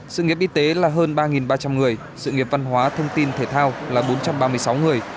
sự nghiệp y tế là hơn ba ba trăm linh người sự nghiệp văn hóa thông tin thể thao là bốn trăm ba mươi sáu người